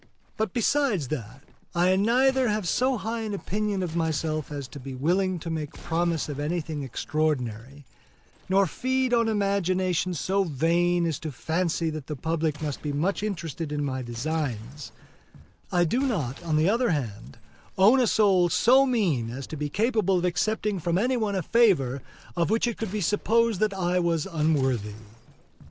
But besides that I neither have so high an opinion of myself as to be willing to make promise of anything extraordinary, nor feed on imaginations so vain as to fancy that the public must be much interested in my designs; I do not, on the other hand, own a soul so mean as to be capable of accepting from any one a favor of which it could be supposed that I was unworthy.